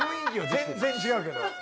全然違うけど。